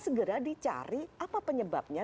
segera dicari apa penyebabnya